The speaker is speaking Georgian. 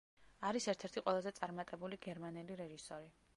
არის ერთ-ერთი ყველაზე წარმატებული გერმანელი რეჟისორი.